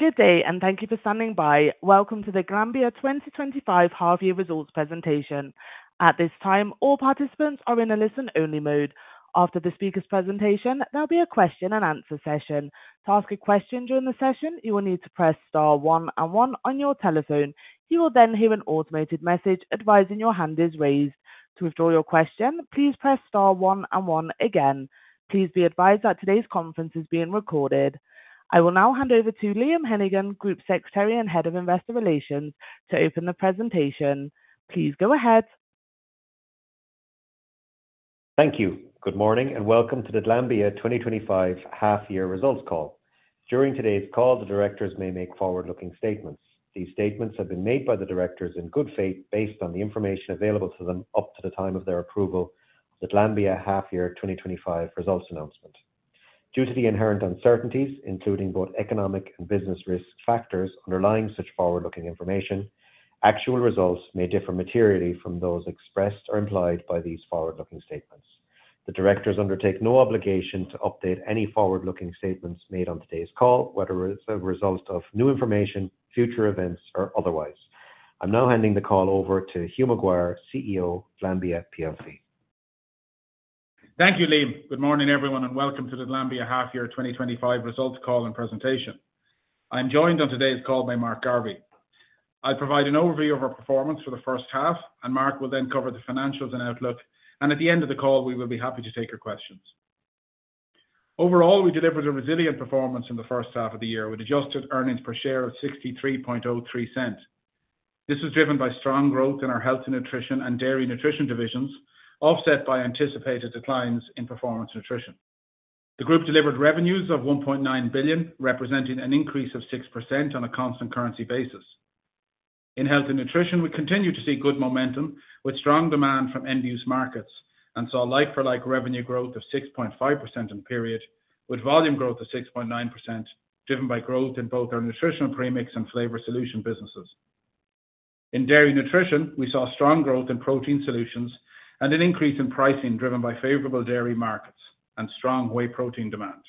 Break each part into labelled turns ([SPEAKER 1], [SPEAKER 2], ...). [SPEAKER 1] Good day, and thank you for standing by. Welcome to the Glanbia 2025 Half Year Results Presentation. At this time, all participants are in a listen-only mode. After the speaker's presentation, there'll be a question-and-answer session. To ask a question during the session, you will need to press star one and one on your telephone. You will then hear an automated message advising your hand is raised. To withdraw your question, please press star one and one again. Please be advised that today's conference is being recorded. I will now hand over to Liam Hennigan, Group Secretary and Head of Investor Relations, to open the presentation. Please go ahead.
[SPEAKER 2] Thank you. Good morning and welcome to the Glanbia 2025 Half-Year Results Call. During today's call, the directors may make forward-looking statements. These statements have been made by the directors in good faith, based on the information available to them up to the time of their approval of the Glanbia Half-Year 2025 Results Announcement. Due to the inherent uncertainties, including both economic and business risk factors underlying such forward-looking information, actual results may differ materially from those expressed or implied by these forward-looking statements. The directors undertake no obligation to update any forward-looking statements made on today's call, whether it's a result of new information, future events, or otherwise. I'm now handing the call over to Hugh McGuire, CEO Glanbia plc.
[SPEAKER 3] Thank you, Liam. Good morning, everyone, and welcome to the Glanbia Half-Year 2025 Results Call and Presentation. I'm joined on today's call by Mark Garvey. I'll provide an overview of our performance for the first half, and Mark will then cover the financials and outlook. At the end of the call, we will be happy to take your questions. Overall, we delivered a resilient performance in the first half of the year with adjusted earnings per share of $0.6303. This was driven by strong growth in our Health & Nutrition and Dairy Nutrition divisions, offset by anticipated declines in Performance Nutrition. The group delivered revenues of $1.9 billion, representing an increase of 6% on a constant currency basis. In Health & Nutrition, we continue to see good momentum with strong demand from end-use markets and saw like-for-like revenue growth of 6.5% in the period, with volume growth of 6.9%, driven by growth in both our Nutritional premix and Flavor Solutions businesses. In Dairy Nutrition, we saw strong growth in Protein Solutions and an increase in pricing, driven by favorable dairy markets and strong whey protein demand.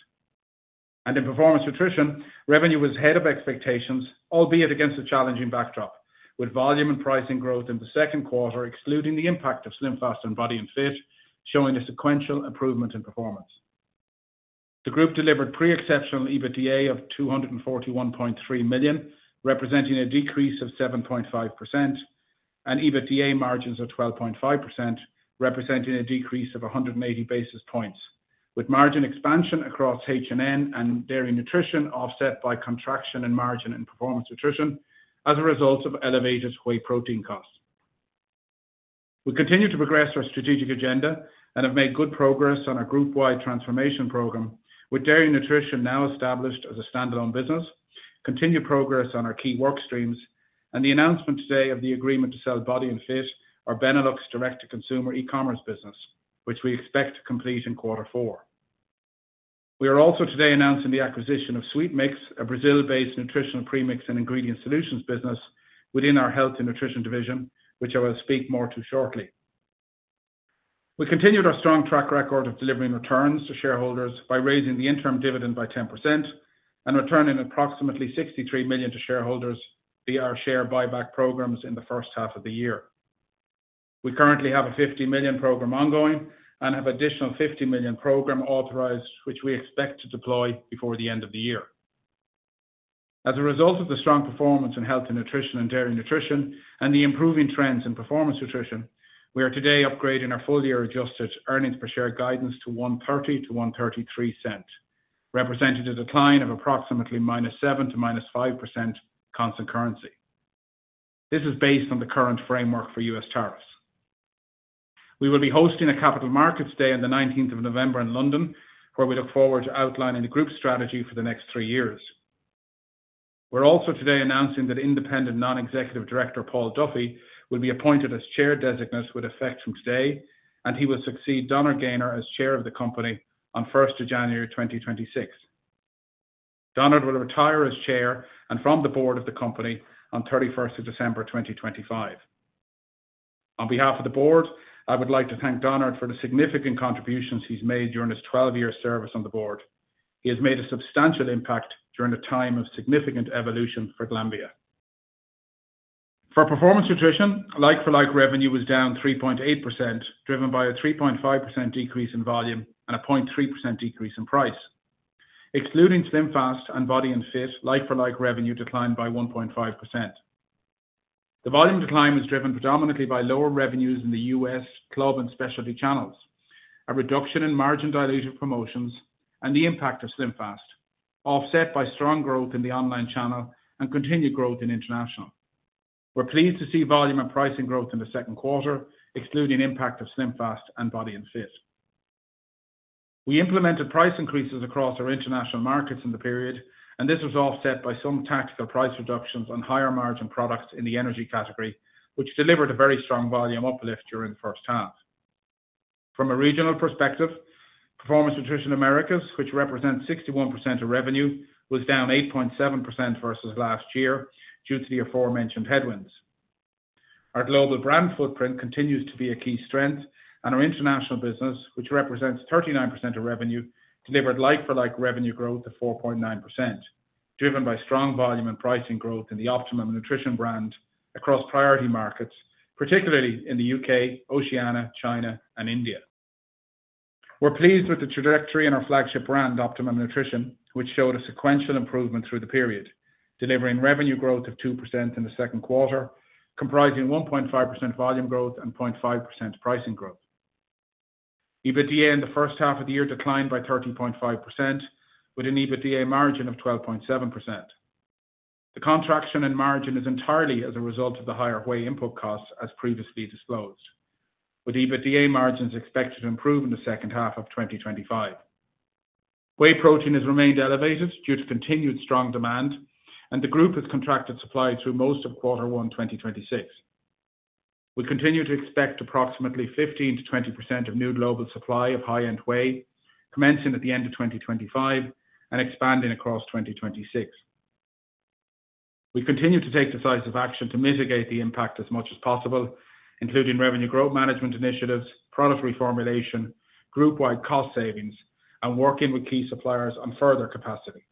[SPEAKER 3] In Performance Nutrition, revenue was ahead of expectations, albeit against a challenging backdrop, with volume and pricing growth in the second quarter, excluding the impact of SlimFast and Body & Fit, showing a sequential improvement in performance. The group delivered pre-exceptional EBITDA of $241.3 million, representing a decrease of 7.5%, and EBITDA margins of 12.5%, representing a decrease of 180 basis points, with margin expansion across Health & Nutrition and Dairy Nutrition offset by contraction in margin in Performance Nutrition as a result of elevated whey protein costs. We continue to progress our strategic agenda and have made good progress on our group-wide transformation program, with Dairy Nutrition now established as a standalone business, continued progress on our key workstreams, and the announcement today of the agreement to sell Body & Fit, our Benelux direct-to-consumer e-commerce business, which we expect to complete in quarter four. We are also today announcing the acquisition of SweetMix, a Brazil-based nutritional premix and ingredient solutions business within our Health & Nutrition division, which I will speak more to shortly. We continued our strong track record of delivering returns to shareholders by raising the interim dividend by 10% and returning approximately $63 million to shareholders via our share buyback programs in the first half of the year. We currently have a $50 million program ongoing and have an additional $50 million program authorized, which we expect to deploy before the end of the year. As a result of the strong performance in Health & Nutrition and Dairy Nutrition and the improving trends in Performance Nutrition, we are today upgrading our full-year adjusted earnings per share guidance to $1.30-$1.33, representing a decline of approximately -7% to -5% constant currency. This is based on the current framework for U.S. tariffs. We will be hosting a Capital Markets Day on the 19th of November in London, where we look forward to outlining the group's strategy for the next three years. We're also today announcing that Independent Non-Executive Director Paul Duffy will be appointed as Chair Designate with effect from today, and he will succeed Donard Gaynor as Chair of the company on 1st of January 2026. Donard will retire as Chair and from the board of the company on 31st of December 2025. On behalf of the board, I would like to thank Donard for the significant contributions he's made during his 12-year service on the board. He has made a substantial impact during a time of significant evolution for Glanbia. For Performance Nutrition, like-for-like revenue was down 3.8%, driven by a 3.5% decrease in volume and a 0.3% decrease in price. Excluding SlimFast and Body & Fit, like-for-like revenue declined by 1.5%. The volume decline was driven predominantly by lower revenues in the U.S., club, and specialty channels, a reduction in margin diluted promotions, and the impact of SlimFast, offset by strong growth in the online channel and continued growth in international. We're pleased to see volume and pricing growth in the second quarter, excluding the impact of SlimFast and Body & Fit. We implemented price increases across our international markets in the period, and this was offset by some tactical price reductions on higher margin products in the energy category, which delivered a very strong volume uplift during the first half. From a regional perspective, Performance Nutrition Americas, which represents 61% of revenue, was down 8.7% versus last year due to the aforementioned headwinds. Our global brand footprint continues to be a key strength, and our international business, which represents 39% of revenue, delivered like-for-like revenue growth of 4.9%, driven by strong volume and pricing growth in the Optimum Nutrition brand across priority markets, particularly in the U.K., Oceania, China, and India. We're pleased with the trajectory in our flagship brand, Optimum Nutrition, which showed a sequential improvement through the period, delivering revenue growth of 2% in the second quarter, comprising 1.5% volume growth and 0.5% pricing growth. EBITDA in the first half of the year declined by 13.5%, with an EBITDA margin of 12.7%. The contraction in margin is entirely as a result of the higher whey input costs, as previously disclosed, with EBITDA margins expected to improve in the second half of 2025. Whey protein has remained elevated due to continued strong demand, and the group has contracted supply through most of quarter one, 2026. We continue to expect approximately 15%-20% of new global supply of high-end whey, commencing at the end of 2025 and expanding across 2026. We continue to take decisive action to mitigate the impact as much as possible, including revenue growth management initiatives, product reformulation, group-wide cost savings, and working with key suppliers on further capacity.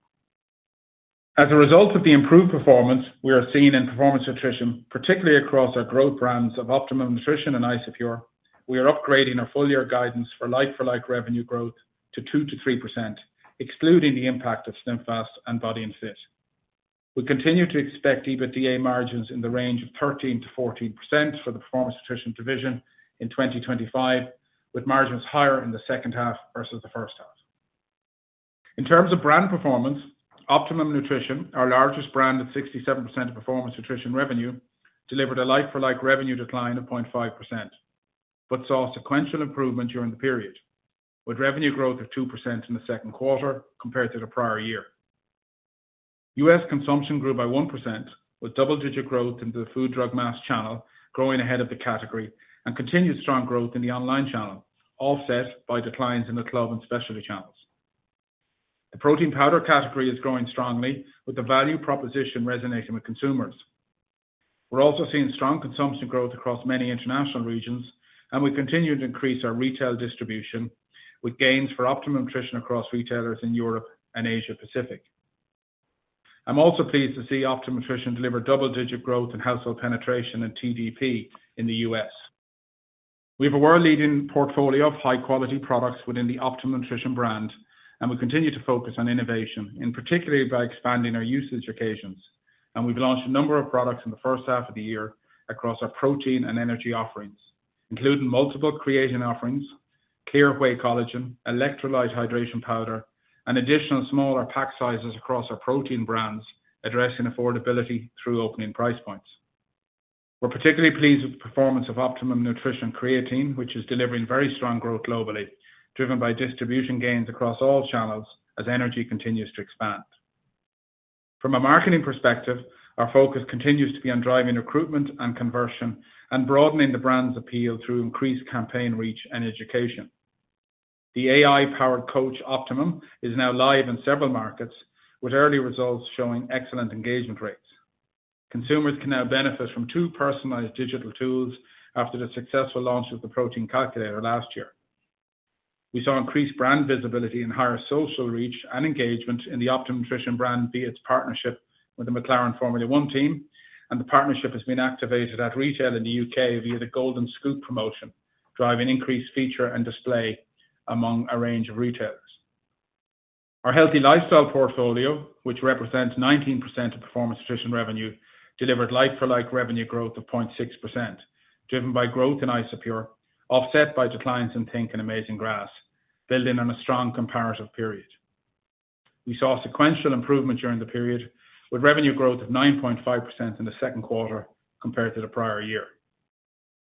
[SPEAKER 3] As a result of the improved performance we are seeing in Performance Nutrition, particularly across our growth brands of Optimum Nutrition and Isopure, we are upgrading our full-year guidance for like-for-like revenue growth to 2%-3%, excluding the impact of SlimFast and Body & Fit. We continue to expect EBITDA margins in the range of 13%-14% for the Performance Nutrition division in 2025, with margins higher in the second half versus the first half. In terms of brand performance, Optimum Nutrition, our largest brand with 67% of Performance Nutrition revenue, delivered a like-for-like revenue decline of 0.5%, but saw sequential improvement during the period, with revenue growth of 2% in the second quarter compared to the prior year. U.S. consumption grew by 1%, with double-digit growth into the food drug mass channel growing ahead of the category and continued strong growth in the online channel, offset by declines in the club and specialty channels. The protein powder category is growing strongly, with the value proposition resonating with consumers. We're also seeing strong consumption growth across many international regions, and we continue to increase our retail distribution with gains for Optimum Nutrition across retailers in Europe and Asia Pacific. I'm also pleased to see Optimum Nutrition deliver double-digit growth in household penetration and TDP in the U.S. We have a world-leading portfolio of high-quality products within the Optimum Nutrition brand, and we continue to focus on innovation, particularly by expanding our usage occasions. We've launched a number of products in the first half of the year across our protein and energy offerings, including multiple creatine offerings, clear whey collagen, electrolyte hydration powder, and additional smaller pack sizes across our protein brands, addressing affordability through opening price points. We're particularly pleased with the performance of Optimum Nutrition creatine, which is delivering very strong growth globally, driven by distribution gains across all channels as energy continues to expand. From a marketing perspective, our focus continues to be on driving recruitment and conversion and broadening the brand's appeal through increased campaign reach and education. The AI-powered coach Optimum is now live in several markets, with early results showing excellent engagement rates. Consumers can now benefit from two personalized digital tools after the successful launch of the protein calculator last year. We saw increased brand visibility and higher social reach and engagement in the Optimum Nutrition brand via its partnership with the McLaren Formula One team, and the partnership has been activated at retail in the U.K. via the Golden Scoop promotion, driving increased feature and display among a range of retailers. Our Healthy Lifestyle portfolio, which represents 19% of Performance Nutrition revenue, delivered like-for-like revenue growth of 0.6%, driven by growth in Isopure, offset by declines in Pink and Amazing Grass, building on a strong comparative period. We saw sequential improvement during the period, with revenue growth of 9.5% in the second quarter compared to the prior year.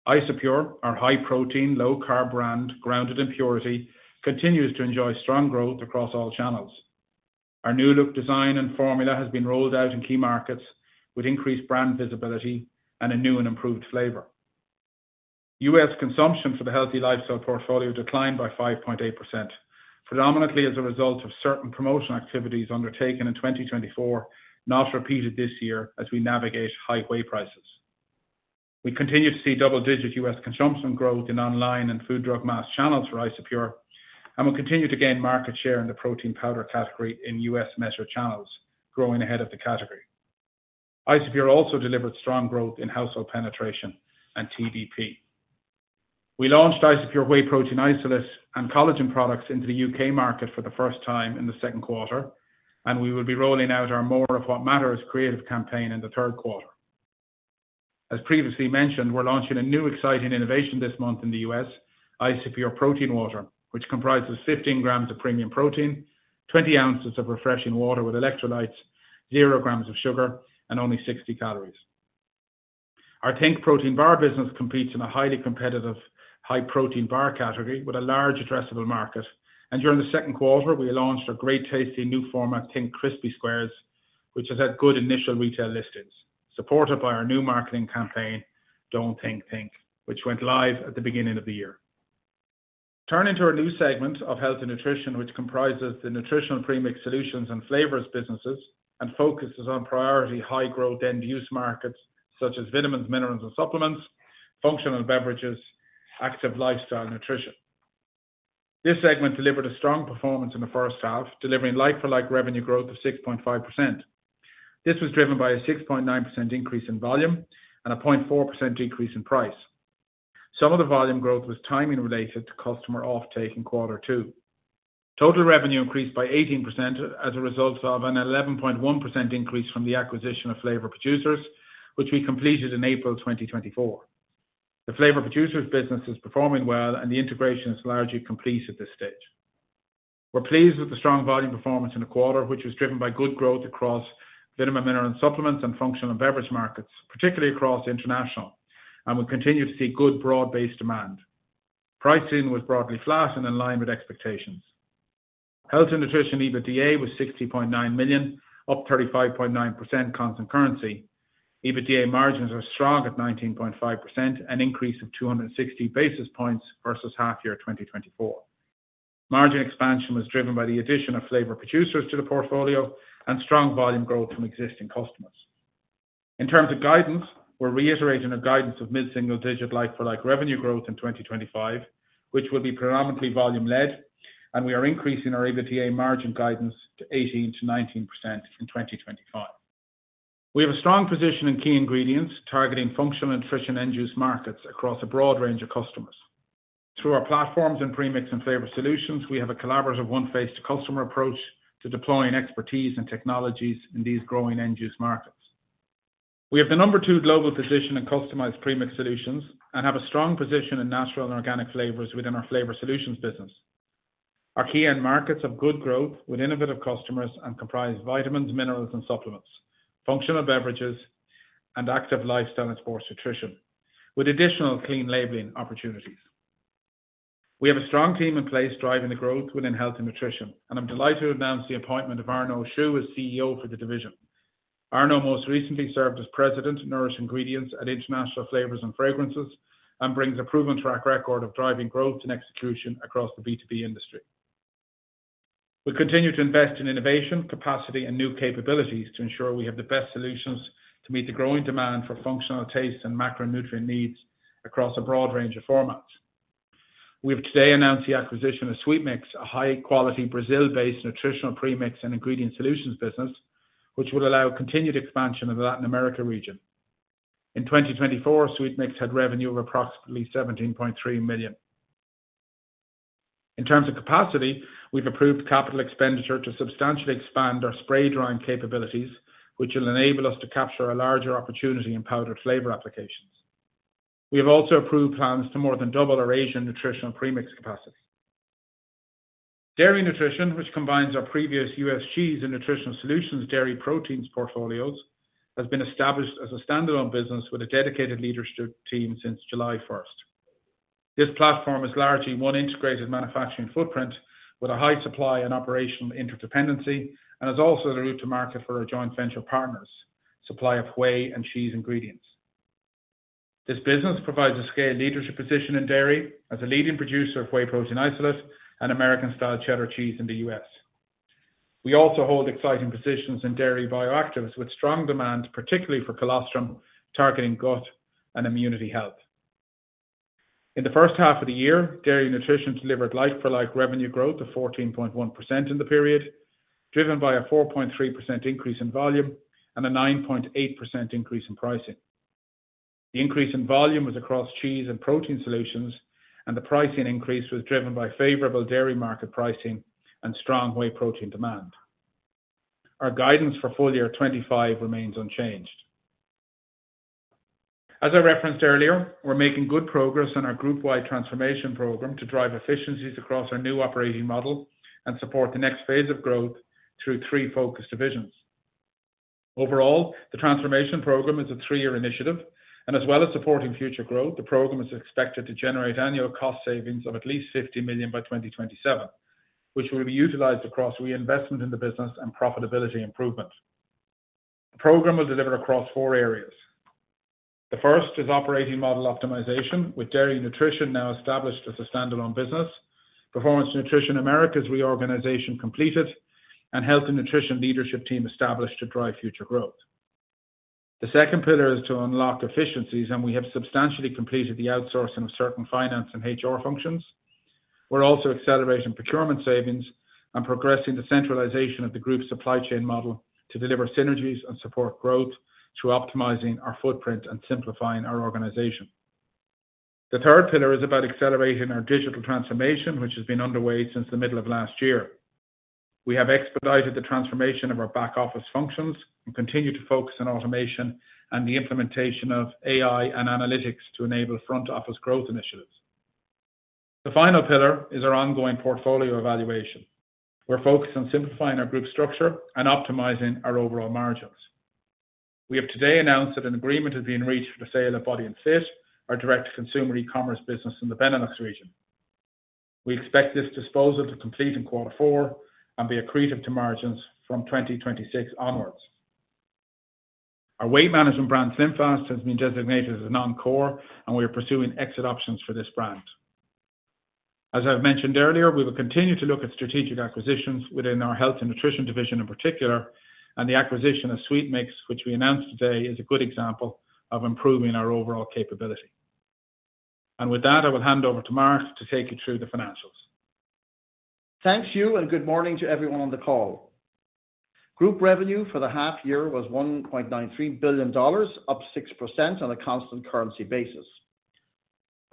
[SPEAKER 3] Isopure, our high-protein, low-carb brand, grounded in purity, continues to enjoy strong growth across all channels. Our new look design and formula has been rolled out in key markets, with increased brand visibility and a new and improved flavor. U.S. consumption for the Healthy Lifestyle portfolio declined by 5.8%, predominantly as a result of certain promotional activities undertaken in 2024, not repeated this year as we navigate high whey prices. We continue to see double-digit U.S. consumption growth in online and food drug mass channels for Isopure, and we'll continue to gain market share in the protein powder category in U.S. measured channels, growing ahead of the category. Isopure also delivered strong growth in household penetration and TDP. We launched Isopure whey protein isolates and collagen products into the U.K. market for the first time in the second quarter, and we will be rolling out our More of What Matters creative campaign in the third quarter. As previously mentioned, we're launching a new exciting innovation this month in the U.S., Isopure protein water, which comprises 15 grams of premium protein, 20 ounces of refreshing water with electrolytes, zero grams of sugar, and only 60 calories. Our Tink protein bar business competes in a highly competitive high-protein bar category with a large addressable market, and during the second quarter, we launched a great tasty new format, Tink crispy squares, which has had good initial retail listings, supported by our new marketing campaign, Don't Tink Think, which went live at the beginning of the year. Turning to our new segment of Health & Nutrition, which comprises the Nutritional Premix Solutions and Flavors businesses and focuses on priority high-growth end-use markets such as vitamins, minerals, and supplements, functional beverages, active lifestyle nutrition. This segment delivered a strong performance in the first half, delivering like-for-like revenue growth of 6.5%. This was driven by a 6.9% increase in volume and a 0.4% decrease in price. Some of the volume growth was timing related to customer offtake in quarter two. Total revenue increased by 18% as a result of an 11.1% increase from the acquisition of Flavor Producers, which we completed in April 2024. The Flavor Producers business is performing well, and the integration is largely complete at this stage. We're pleased with the strong volume performance in the quarter, which was driven by good growth across vitamin, mineral, and supplements and functional beverage markets, particularly across the international, and we continue to see good broad-based demand. Pricing was broadly flat and in line with expectations. Health & Nutrition EBITDA was $60.9 million, up 35.9% constant currency. EBITDA margins are strong at 19.5%, an increase of 260 basis points versus half-year 2024. Margin expansion was driven by the addition of Flavor Producers to the portfolio and strong volume growth from existing customers. In terms of guidance, we're reiterating our guidance of mid-single-digit like-for-like revenue growth in 2025, which will be predominantly volume-led, and we are increasing our EBITDA margin guidance to 18% to 19% in 2025. We have a strong position in key ingredients, targeting functional nutrition end-use markets across a broad range of customers. Through our platforms and premix and flavor solutions, we have a collaborative one-faced customer approach to deploying expertise and technologies in these growing end-use markets. We have the number two global position in customized premix solutions and have a strong position in natural and organic flavors within our Flavor Solutions business. Our key end markets have good growth with innovative customers and comprise vitamins, minerals, and supplements, functional beverages, and active lifestyle and sports nutrition, with additional clean labeling opportunities. We have a strong team in place driving the growth within Health & Nutrition, and I'm delighted to announce the appointment of [Arno Shoe] as CEO for the division. Arno most recently served as President, Nourish Ingredients at International Flavors and Fragrances, and brings a proven track record of driving growth and execution across the B2B industry. We continue to invest in innovation, capacity, and new capabilities to ensure we have the best solutions to meet the growing demand for functional taste and macronutrient needs across a broad range of formats. We've today announced the acquisition of SweetMix, a high-quality Brazil-based nutritional premix and ingredient solutions business, which will allow continued expansion in the Latin America region. In 2024, SweetMix had revenue of approximately $17.3 million. In terms of capacity, we've approved capital expenditure to substantially expand our spray drying capabilities, which will enable us to capture a larger opportunity in powdered flavor applications. We have also approved plans to more than double our Asian nutritional premix capacity. Dairy Nutrition, which combines our previous U.S. cheese and Nutritional Solutions dairy proteins portfolios, has been established as a standalone business with a dedicated leadership team since July 1. This platform is largely one integrated manufacturing footprint with a high supply and operational interdependency and is also the route to market for our joint venture partners, supply of whey and cheese ingredients. This business provides a scaled leadership position in dairy as a leading producer of whey protein isolates and American-style cheddar cheese in the U.S. We also hold exciting positions in dairy bioactives with strong demand, particularly for colostrum, targeting gut and immunity health. In the first half of the year, Dairy Nutrition delivered like-for-like revenue growth of 14.1% in the period, driven by a 4.3% increase in volume and a 9.8% increase in pricing. The increase in volume was across cheese and Protein Solutions, and the pricing increase was driven by favorable dairy market pricing and strong whey protein demand. Our guidance for full year 2025 remains unchanged. As I referenced earlier, we're making good progress on our group-wide transformation program to drive efficiencies across our new operating model and support the next phase of growth through three focus divisions. Overall, the transformation program is a three-year initiative, and as well as supporting future growth, the program is expected to generate annual cost savings of at least $50 million by 2027, which will be utilized across reinvestment in the business and profitability improvement. The program will deliver across four areas. The first is operating model optimization, with Dairy Nutrition now established as a standalone business, Performance Nutrition America's reorganization completed, and Health & Nutrition leadership team established to drive future growth. The second pillar is to unlock efficiencies, and we have substantially completed the outsourcing of certain finance and HR functions. We're also accelerating procurement savings and progressing the centralization of the group supply chain model to deliver synergies and support growth through optimizing our footprint and simplifying our organization. The third pillar is about accelerating our digital transformation, which has been underway since the middle of last year. We have expedited the transformation of our back office functions and continue to focus on automation and the implementation of AI and analytics to enable front office growth initiatives. The final pillar is our ongoing portfolio evaluation. We're focused on simplifying our group structure and optimizing our overall margins. We have today announced that an agreement has been reached for the sale of Body & Fit, our direct-to-consumer e-commerce business in the Benelux region. We expect this disposal to complete in quarter four and be accretive to margins from 2026 onwards. Our whey management brand, SlimFast, has been designated as non-core, and we are pursuing exit options for this brand. As I've mentioned earlier, we will continue to look at strategic acquisitions within our Health & Nutrition division in particular, and the acquisition of SweetMix, which we announced today, is a good example of improving our overall capability. With that, I will hand over to Mark to take you through the financials.
[SPEAKER 4] Thanks, Hugh, and good morning to everyone on the call. Group revenue for the half year was $1.93 billion, up 6% on a constant currency basis.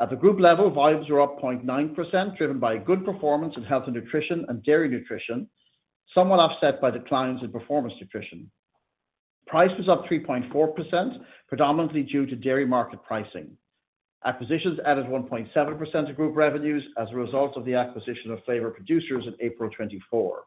[SPEAKER 4] At the group level, volumes were up 0.9%, driven by good performance in Health & Nutrition and Dairy Nutrition, somewhat offset by declines in Performance Nutrition. Price was up 3.4%, predominantly due to dairy market pricing. Acquisitions added 1.7% of group revenues as a result of the acquisition of Flavor Producers in April 2024.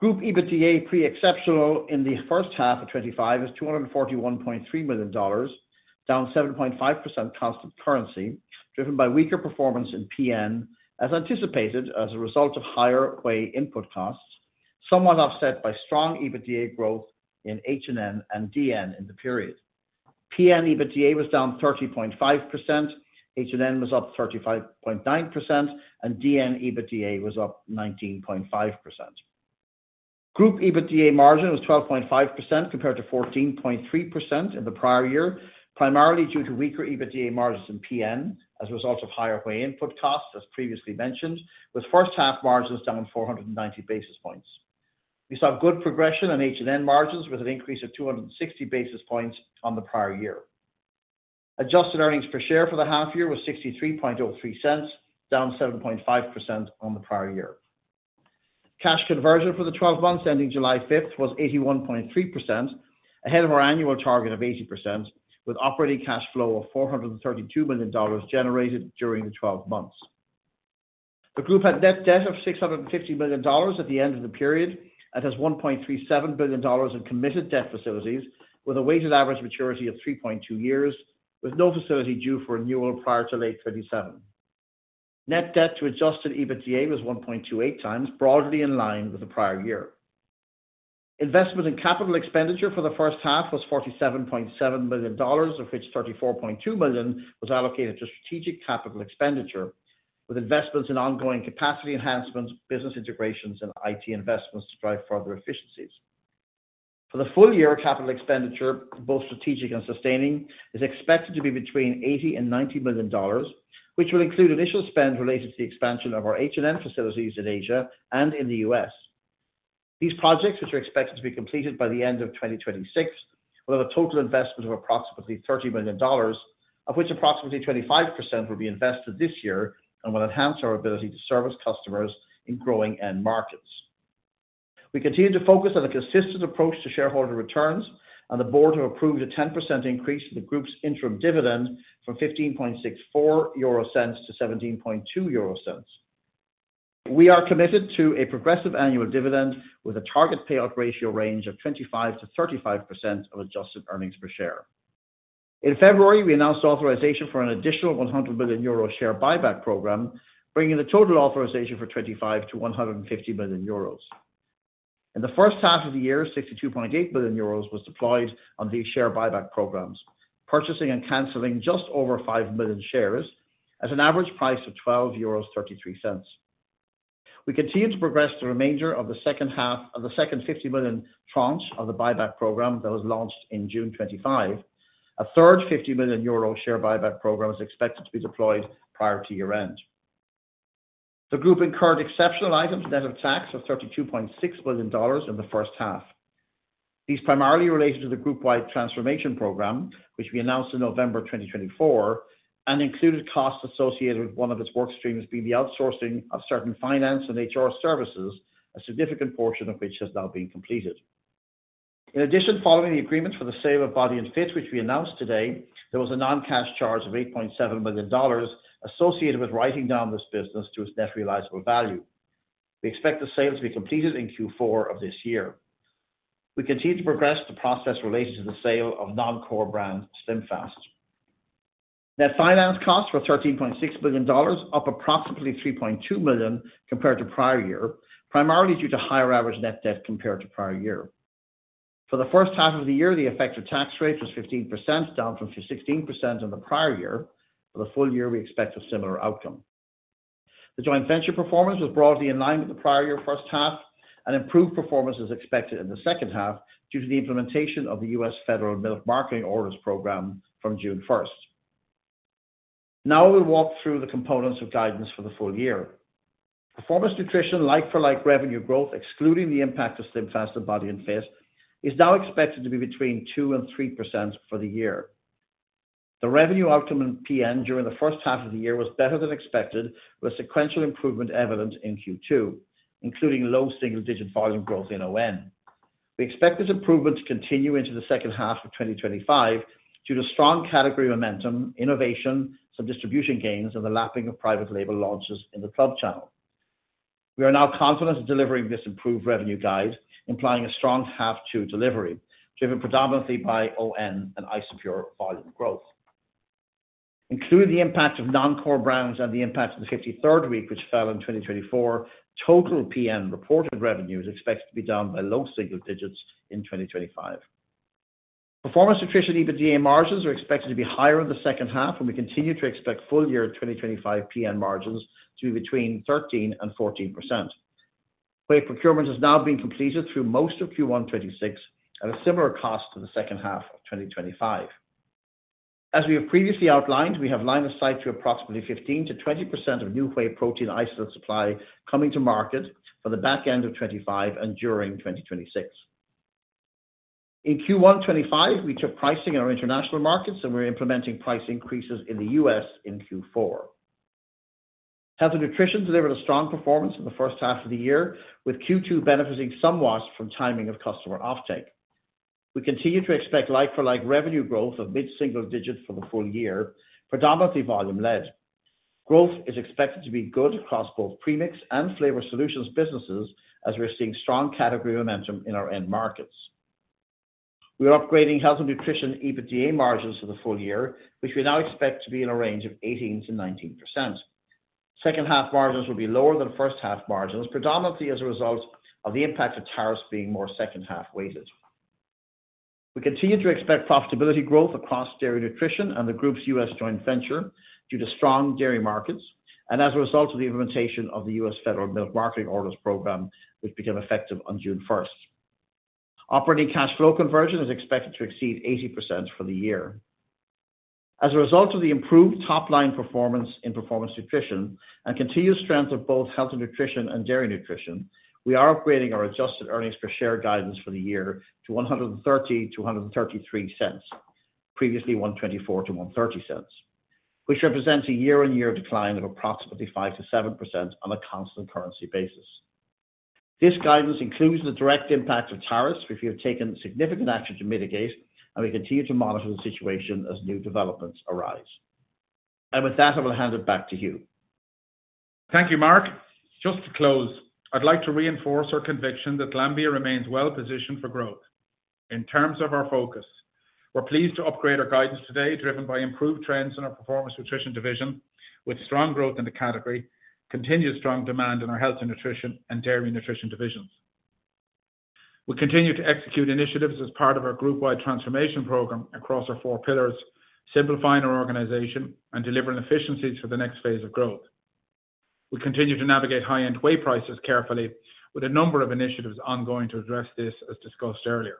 [SPEAKER 4] Group EBITDA pre-exceptional in the first half of 2025 is $241.3 million, down 7.5% constant currency, driven by weaker performance in Performance Nutrition as anticipated as a result of higher whey input costs, somewhat offset by strong EBITDA growth in Health & Nutrition and Dairy Nutrition in the period. Performance Nutrition EBITDA was down 30.5%, Health & Nutrition was up 35.9%, and Dairy Nutrition EBITDA was up 19.5%. Group EBITDA margin was 12.5% compared to 14.3% in the prior year, primarily due to weaker EBITDA margins in Performance Nutrition as a result of higher whey input costs, as previously mentioned, with first half margins down 490 basis points. We saw good progression in Health & Nutrition margins with an increase of 260 basis points on the prior year. Adjusted earnings per share for the half year was $0.6303, down 7.5% on the prior year. Cash conversion for the 12 months ending July 5th was 81.3%, ahead of our annual target of 80%, with operating cash flow of $432 million generated during the 12 months. The group had net debt of $650 million at the end of the period and has $1.37 billion in committed debt facilities, with a weighted average maturity of 3.2 years, with no facility due for renewal prior to late 2037. Net debt to adjusted EBITDA was 1.28 times, broadly in line with the prior year. Investment in capital expenditure for the first half was $47.7 million, of which $34.2 million was allocated to strategic capital expenditure, with investments in ongoing capacity enhancements, business integrations, and IT investments to drive further efficiencies. For the full year, capital expenditure, both strategic and sustaining, is expected to be between $80 million and $90 million, which will include initial spend related to the expansion of our Health & Nutrition facilities in Asia and in the U.S. These projects, which are expected to be completed by the end of 2026, will have a total investment of approximately $30 million, of which approximately 25% will be invested this year and will enhance our ability to service customers in growing end markets. We continue to focus on a consistent approach to shareholder returns, and the board has approved a 10% increase in the group's interim dividend from $0.1564 to $0.172. We are committed to a progressive annual dividend with a target payout ratio range of 25%-35% of adjusted earnings per share. In February, we announced authorization for an additional $100 million share buyback program, bringing the total authorization for 2025 to $150 million. In the first half of the year, $62.8 million was deployed on these share buyback programs, purchasing and canceling just over 5 million shares at an average price of $12.33. We continue to progress the remainder of the second half of the second $50 million tranche of the buyback program that was launched in June 2025. A third $50 million share buyback program is expected to be deployed prior to year end. The group incurred exceptional items in the net of tax of $32.6 million in the first half. These primarily related to the group-wide transformation program, which we announced in November 2024, and included costs associated with one of its workstreams, being the outsourcing of certain finance and HR services, a significant portion of which has now been completed. In addition, following the agreements for the sale of Body & Fit, which we announced today, there was a non-cash charge of $8.7 million associated with writing down this business to its net realizable value. We expect the sale to be completed in Q4 of this year. We continue to progress the process related to the sale of non-core brand SlimFast. Net finance costs were $13.6 million, up approximately $3.2 million compared to prior year, primarily due to higher average net debt compared to prior year. For the first half of the year, the effective tax rate was 15%, down from 16% in the prior year. For the full year, we expect a similar outcome. The joint venture performance was broadly in line with the prior year first half, and improved performance is expected in the second half due to the implementation of the U.S. Federal Milk Marketing Orders program from June 1. Now I will walk through the components of guidance for the full year. Performance Nutrition like-for-like revenue growth, excluding the impact of SlimFast and Body & Fit, is now expected to be between 2% and 3% for the year. The revenue outcome in PN during the first half of the year was better than expected, with sequential improvement evidenced in Q2, including low single-digit volume growth in ON. We expect this improvement to continue into the second half of 2025 due to strong category momentum, innovation, some distribution gains, and the lapping of private label launches in the club channel. We are now confident in delivering this improved revenue guide, implying a strong half two delivery, driven predominantly by ON and Isopure volume growth. Including the impact of non-core brands and the impact of the 53rd week, which fell in 2024, total PN reported revenue is expected to be down by low single digits in 2025. Performance Nutrition EBITDA margins are expected to be higher in the second half, and we continue to expect full year 2025 PN margins to be between 13% and 14%. Whey procurement has now been completed through most of Q1 2026 at a similar cost in the second half of 2025. As we have previously outlined, we have line of sight to approximately 15%-20% of new whey protein isolate supply coming to market on the back end of 2025 and during 2026. In Q1 2025, we took pricing in our international markets, and we're implementing price increases in the U.S. in Q4. Health & Nutrition delivered a strong performance in the first half of the year, with Q2 benefiting somewhat from timing of customer offtake. We continue to expect like-for-like revenue growth of mid-single digit for the full year, predominantly volume-led. Growth is expected to be good across both Nutritional premix and Flavor Solutions businesses, as we're seeing strong category momentum in our end markets. We are upgrading Health & Nutrition EBITDA margins for the full year, which we now expect to be in a range of 18%-19%. Second half margins will be lower than first half margins, predominantly as a result of the impact of tariffs being more second half weighted. We continue to expect profitability growth across Dairy Nutrition and the group's U.S. joint venture due to strong dairy markets, and as a result of the implementation of the U.S. Federal Milk Marketing Orders program, which became effective on June 1. Operating cash flow conversion is expected to exceed 80% for the year. As a result of the improved top line performance in Performance Nutrition and continued strength of both Health & Nutrition and Dairy Nutrition, we are upgrading our adjusted earnings per share guidance for the year to $1.30-$1.33, previously $1.24-$1.30, which represents a year-on-year decline of approximately 5%-7% on a constant currency basis. This guidance includes the direct impact of tariffs, which we have taken significant action to mitigate, and we continue to monitor the situation as new developments arise. I will hand it back to you.
[SPEAKER 3] Thank you, Mark. Just to close, I'd like to reinforce our conviction that Glanbia plc remains well positioned for growth. In terms of our focus, we're pleased to upgrade our guidance today, driven by improved trends in our Performance Nutrition division, with strong growth in the category, continued strong demand in our Health & Nutrition and Dairy Nutrition divisions. We continue to execute initiatives as part of our group-wide transformation program across our four pillars, simplifying our organization and delivering efficiencies for the next phase of growth. We continue to navigate high-end whey prices carefully, with a number of initiatives ongoing to address this, as discussed earlier.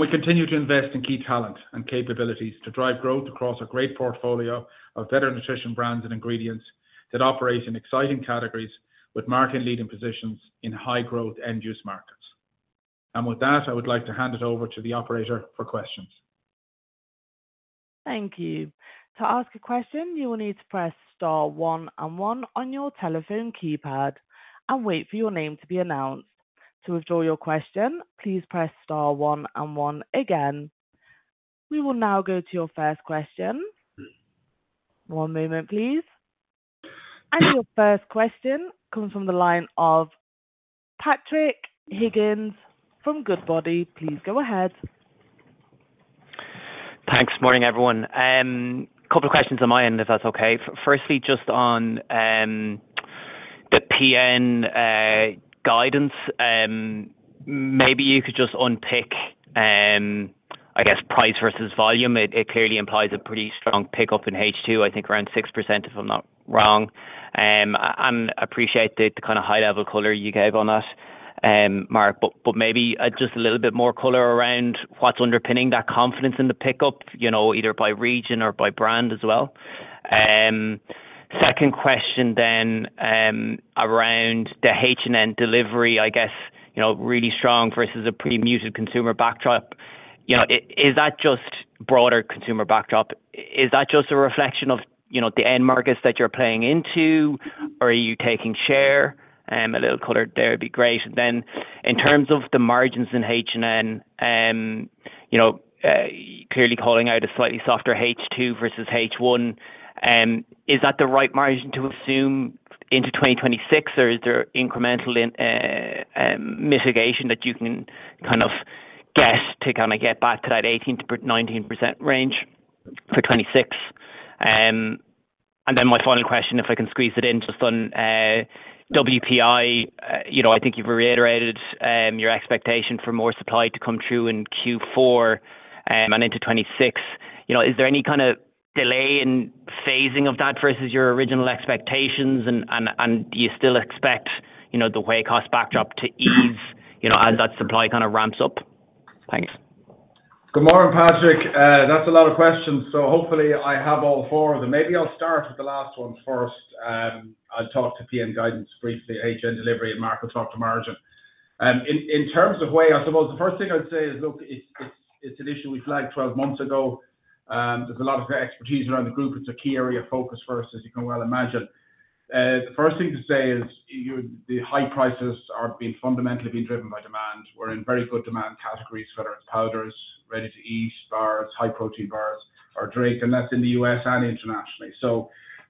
[SPEAKER 3] We continue to invest in key talent and capabilities to drive growth across a great portfolio of better nutrition brands and ingredients that operate in exciting categories, with market leading positions in high-growth end-use markets. With that, I would like to hand it over to the operator for questions.
[SPEAKER 1] Thank you. To ask a question, you will need to press star one and one on your telephone keypad and wait for your name to be announced. To withdraw your question, please press star one and one again. We will now go to your first question. One moment, please. Your first question comes from the line of Patrick Higgins from Goodbody. Please go ahead.
[SPEAKER 5] Thanks. Morning, everyone. A couple of questions on my end, if that's okay. Firstly, just on the PN guidance, maybe you could just unpick, I guess, price versus volume. It clearly implies a pretty strong pickup in H2, I think around 6%, if I'm not wrong. I appreciate the kind of high-level color you gave on that, Mark. Maybe just a little bit more color around what's underpinning that confidence in the pickup, either by region or by brand as well. Second question then around the H&N delivery, really strong versus a pretty muted consumer backdrop. Is that just broader consumer backdrop? Is that just a reflection of the end markets that you're playing into, or are you taking share? A little color there would be great. In terms of the margins in H&N, clearly calling out a slightly softer H2 versus H1, is that the right margin to assume into 2026, or is there incremental mitigation that you can kind of guess to kind of get back to that 18%-19% range for 2026? My final question, if I can squeeze it in, just on WPI. I think you've reiterated your expectation for more supply to come true in Q4 and into 2026. Is there any kind of delay in phasing of that versus your original expectations, and you still expect the whey cost backdrop to ease as that supply ramps up? Thanks.
[SPEAKER 3] Good morning, Patrick. That's a lot of questions, so hopefully I have all four of them. Maybe I'll start with the last one first. I'll talk to PN guidance briefly, H&N delivery, and Mark, I'll talk to margin. In terms of whey, I suppose the first thing I'd say is, look, it's an issue we flagged 12 months ago. There's a lot of expertise around the group. It's a key area of focus for us, as you can well imagine. The first thing to say is the high prices are fundamentally being driven by demand. We're in very good demand categories, whether it's powders, ready-to-eat bars, high-protein bars, or drink, and that's in the U.S. and internationally.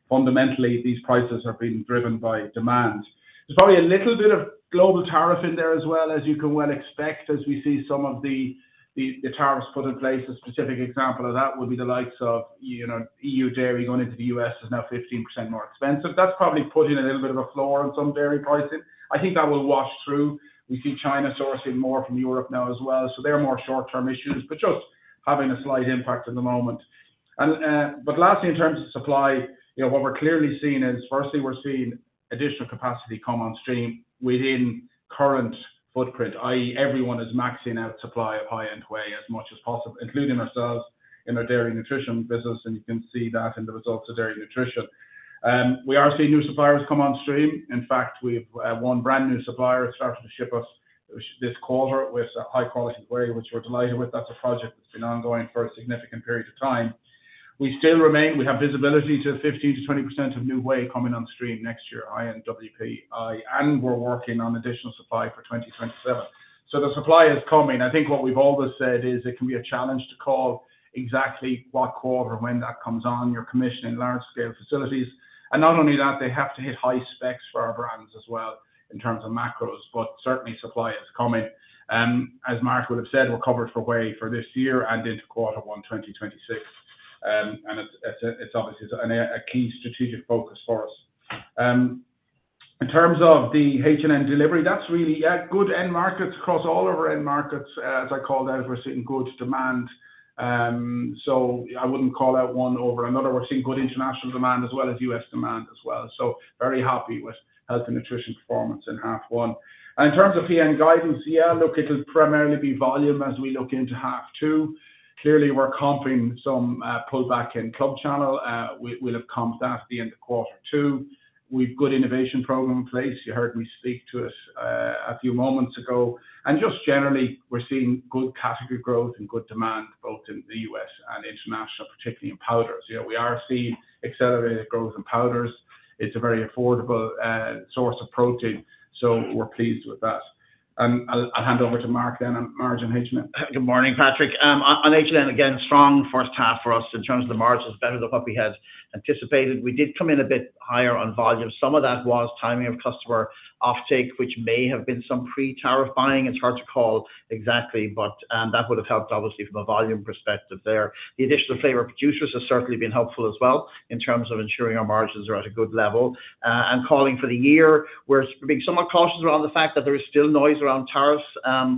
[SPEAKER 3] Fundamentally, these prices are being driven by demand. There's probably a little bit of global tariff in there as well, as you can well expect, as we see some of the tariffs put in place. A specific example of that would be the likes of, you know, EU dairy going into the U.S. is now 15% more expensive. That's probably putting a little bit of a floor on some dairy pricing. I think that will wash through. We see China sourcing more from Europe now as well, so there are more short-term issues, just having a slight impact in the moment. Lastly, in terms of supply, what we're clearly seeing is, firstly, we're seeing additional capacity come on stream within current footprint, i.e., everyone is maxing out supply of high-end whey as much as possible, including ourselves in our Dairy Nutrition business, and you can see that in the results of Dairy Nutrition. We are seeing new suppliers come on stream. In fact, we have one brand new supplier that started to ship us this quarter with high-quality whey, which we're delighted with. That's a project that's been ongoing for a significant period of time. We still remain, we have visibility to 15%-20% of new whey coming on stream next year, INWPI, and we're working on additional supply for 2027. The supply is coming. I think what we've always said is it can be a challenge to call exactly what quarter and when that comes on. You're commissioning large-scale facilities, and not only that, they have to hit high specs for our brands as well in terms of macrolas, but certainly supply is coming. As Mark would have said, we're covered for whey for this year and into quarter one 2026. It's obviously a key strategic focus for us. In terms of the H&N delivery, that's really good end markets across all of our end markets. As I called out, we're seeing good demand. I wouldn't call out one over another. We're seeing good international demand as well as U.S. demand as well. Very happy with Health & Nutrition's performance in half one. In terms of PN guidance, yeah, look, it'll primarily be volume as we look into half two. Clearly, we're comping some pullback in club channel. We'll have comped that at the end of quarter two. We've got an innovation program in place. You heard me speak to it a few moments ago. Generally, we're seeing good category growth and good demand both in the U.S. and international, particularly in powders. Yeah, we are seeing accelerated growth in powders. It's a very affordable source of protein, so we're pleased with that. I'll hand over to Mark then on margin. HG.
[SPEAKER 4] Good morning, Patrick. On H&N, again, a strong first half for us in terms of the margins, better than what we had anticipated. We did come in a bit higher on volume. Some of that was timing of customer offtake, which may have been some pre-tariff buying. It's hard to call exactly, but that would have helped, obviously, from a volume perspective there. The additional Flavor Producers have certainly been helpful as well in terms of ensuring our margins are at a good level. For the year, we're being somewhat cautious around the fact that there is still noise around tariffs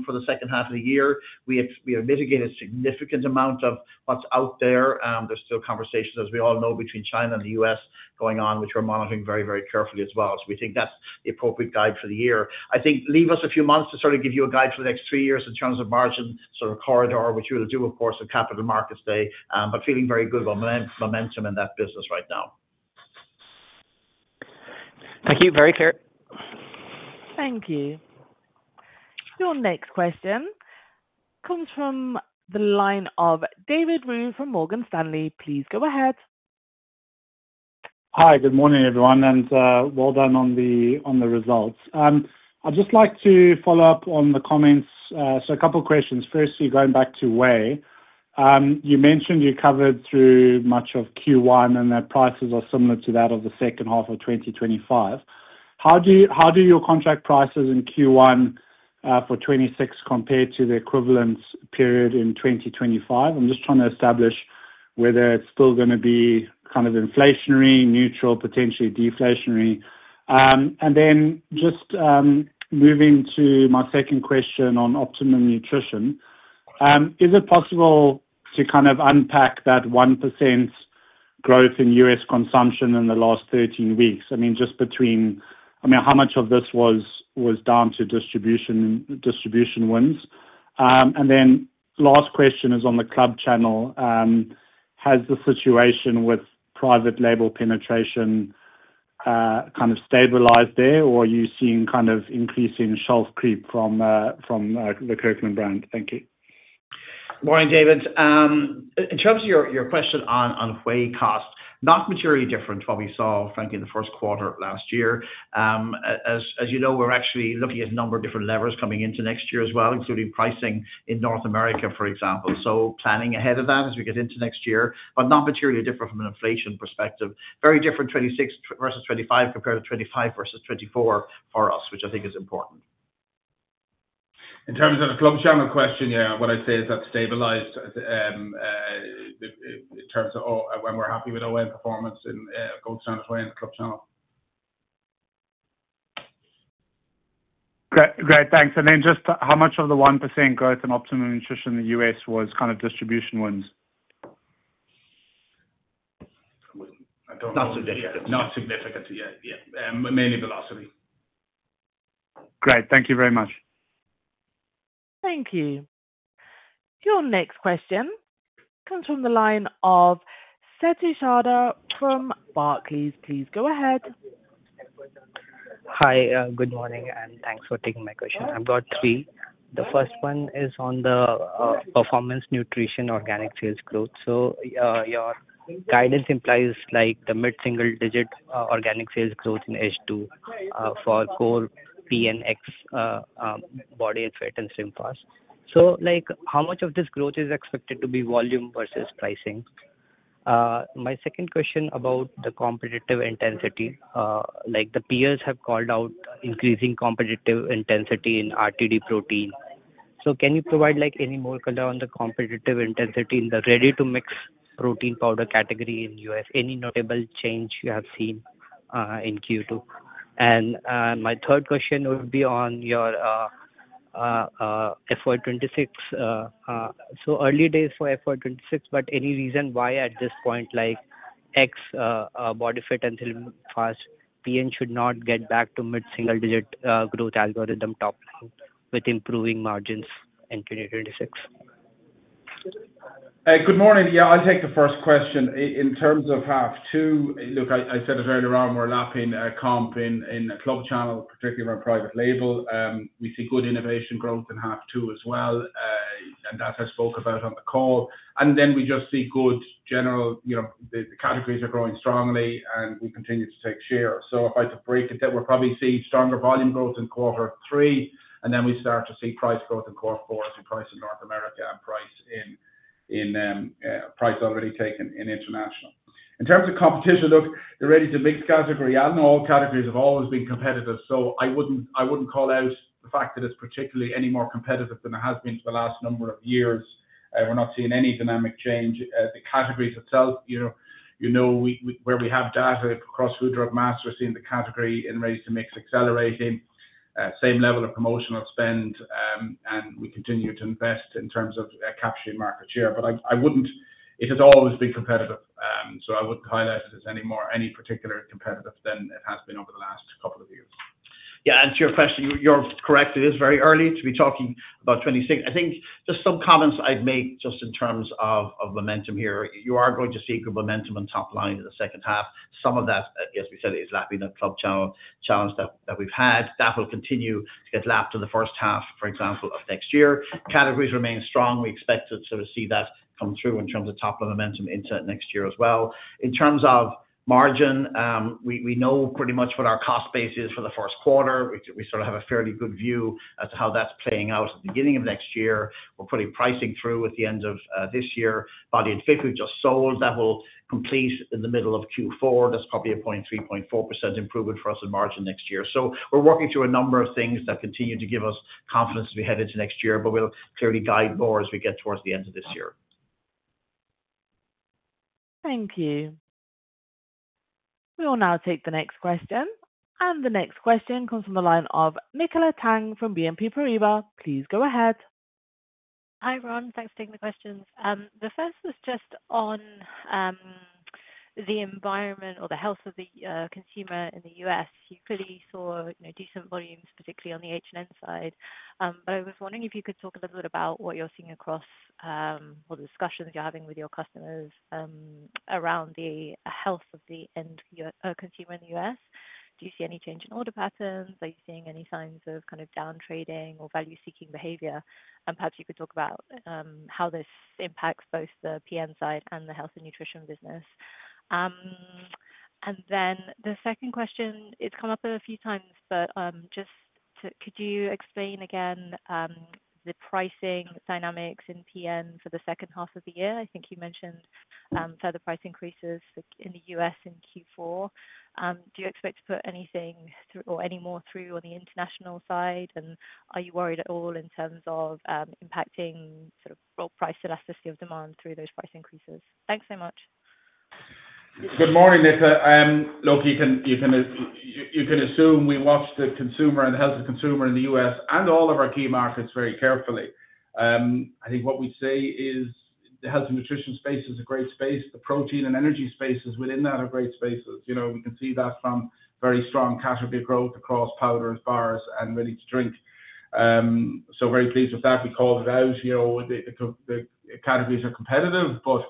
[SPEAKER 4] for the second half of the year. We have mitigated a significant amount of what's out there. There's still conversations, as we all know, between China and the U.S. going on, which we're monitoring very, very carefully as well. We think that's the appropriate guide for the year. I think leave us a few months to sort of give you a guide for the next three years in terms of margin sort of corridor, which we'll do, of course, at Capital Markets Day, but feeling very good about momentum in that business right now.
[SPEAKER 5] Thank you. Very clear.
[SPEAKER 1] Thank you. Your next question comes from the line of David Roux from Morgan Stanley. Please go ahead.
[SPEAKER 6] Hi, good morning, everyone, and well done on the results. I'd just like to follow up on the comments. A couple of questions. Firstly, going back to whey, you mentioned you covered through much of Q1, and their prices are similar to that of the second half of 2025. How do your contract prices in Q1 for 2026 compare to the equivalent period in 2025? I'm just trying to establish whether it's still going to be kind of inflationary, neutral, potentially deflationary. Moving to my second question on Optimum Nutrition, is it possible to kind of unpack that 1% growth in U.S. consumption in the last 13 weeks? Just between, how much of this was down to distribution wins? Last question is on the club channel. Has the fluctuation with private label penetration kind of stabilized there, or are you seeing kind of increasing shelf creep from the Kirkland brand? Thank you.
[SPEAKER 4] Morning, David. In terms of your question on whey cost, not materially different to what we saw, frankly, in the first quarter last year. As you know, we're actually looking at a number of different levers coming into next year as well, including pricing in North America, for example. Planning ahead of that as we get into next year, but not materially different from an inflation perspective. Very different 2026 versus 2025 compared to 2025 versus 2024 for us, which I think is important.
[SPEAKER 3] In terms of the club channel question, what I'd say is that stabilized in terms of when we're happy with ON performance and Gold Standard ON club channel.
[SPEAKER 6] Great, thanks. How much of the 1% growth in Optimum Nutrition in the U.S. was kind of distribution wins?
[SPEAKER 3] Not significant. Not significant. Yeah, mainly velocity.
[SPEAKER 6] Great, thank you very much.
[SPEAKER 1] Thank you. Your next question comes from the line of [Seti Shada] from Barclays. Please go ahead. Hi, good morning, and thanks for taking my question. I've got three. The first one is on the Performance Nutrition organic sales growth. Your guidance implies like the mid-single digit organic sales growth in H2 for core PNX, Body & Fit, and SlimFast. How much of this growth is expected to be volume versus pricing? My second question about the competitive intensity, the peers have called out increasing competitive intensity in RTD protein. Can you provide any more color on the competitive intensity in the ready-to-mix protein powder category in the U.S.? Any notable change you have seen in Q2? My third question would be on your FY 2026. Early days for FY 2026, but any reason why at this point, X, Body & Fit, and SlimFast, PN should not get back to mid-single digit growth algorithm top line with improving margins in 2026?
[SPEAKER 3] Good morning. I'll take the first question. In terms of half two, I said it earlier on, we're lapping comp in the club channel, particularly around private label. We see good innovation growth in half two as well, and that I spoke about on the call. We just see good general, you know, the categories are growing strongly, and we continue to take share. If I had to break it, we'll probably see stronger volume growth in quarter three, and then we start to see price growth in quarter four, as in price in North America and price already taken in international. In terms of competition, the ready-to-mix category, I know all categories have always been competitive, so I wouldn't call out the fact that it's particularly any more competitive than it has been for the last number of years. We're not seeing any dynamic change. The categories themselves, where we have data across food drug mass, we're seeing the category in ready-to-mix accelerating, same level of promotional spend, and we continue to invest in terms of capturing market share. It has always been competitive, so I wouldn't highlight it as any more particularly competitive than it has been over the last couple of years.
[SPEAKER 4] Yeah, and to your question, you're correct, it is very early to be talking about 2026. I think just some comments I'd make just in terms of momentum here. You are going to see good momentum on top line in the second half. Some of that, as we said, is lapping that club channel challenge that we've had. That will continue to get lapped in the first half, for example, of next year. Categories remain strong. We expect to sort of see that come through in terms of top line momentum into next year as well. In terms of margin, we know pretty much what our cost base is for the first quarter. We sort of have a fairly good view as to how that's playing out at the beginning of next year. We're putting pricing through at the end of this year. Body & Fit, we've just sold. That will complete in the middle of Q4. That's probably a 0.3%, 0.4% improvement for us in margin next year. We're working through a number of things that continue to give us confidence as we head into next year, but we'll clearly guide more as we get towards the end of this year.
[SPEAKER 1] Thank you. We will now take the next question. The next question comes from the line of Nicola Tang from BNP Paribas. Please go ahead.
[SPEAKER 7] Hi, everyone. Thanks for taking the questions. The first was just on the environment or the health of the consumer in the U.S. You clearly saw decent volumes, particularly on the H&N side. I was wondering if you could talk a little bit about what you're seeing across or the discussions you're having with your customers around the health of the end consumer in the U.S. Do you see any change in order patterns? Are you seeing any signs of kind of downtrading or value-seeking behavior? Perhaps you could talk about how this impacts both the PN side and the Health & Nutrition business. The second question has come up a few times, could you explain again the pricing dynamics in PN for the second half of the year? I think you mentioned further price increases in the U.S. in Q4. Do you expect to put anything or any more through on the international side? Are you worried at all in terms of impacting sort of broad price elasticity of demand through those price increases? Thanks so much.
[SPEAKER 3] Good morning, Nicola. You can assume we watch the consumer and the health of the consumer in the U.S. and all of our key markets very carefully. I think what we'd say is the Health & Nutrition space is a great space. The protein and energy spaces within that are great spaces. We can see that from very strong category growth across powders, bars, and ready-to-drink. Very pleased with that. We called it out. The categories are competitive, but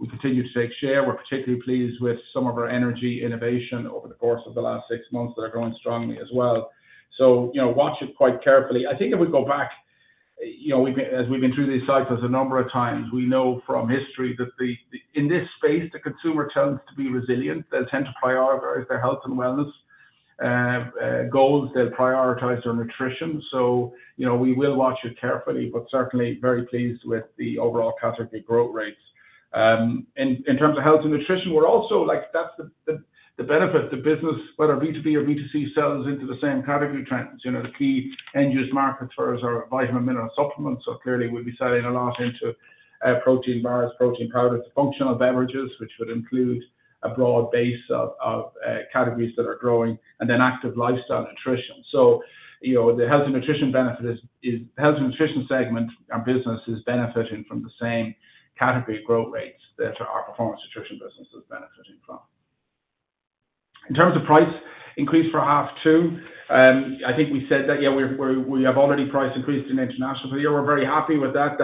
[SPEAKER 3] we continue to take share. We're particularly pleased with some of our energy innovation over the course of the last six months that are growing strongly as well. We watch it quite carefully. I think if we go back, as we've been through these cycles a number of times, we know from history that in this space, the consumer tends to be resilient. They'll tend to prioritize their health and wellness goals. They'll prioritize their nutrition. We will watch it carefully, but certainly very pleased with the overall category growth rates. In terms of Health & Nutrition, that's the benefit. The business, whether B2B or B2C, sells into the same category trends. The key end-use markets for us are vitamin mineral supplements. Clearly, we'll be selling a lot into protein bars, protein powders, functional beverages, which would include a broad base of categories that are growing, and then active lifestyle nutrition. The Health & Nutrition benefit is the Health & Nutrition segment and business is benefiting from the same category growth rates that our Performance Nutrition business is benefiting from. In terms of price increase for half two, I think we said that, yeah, we have already price increased in international. We're very happy with that.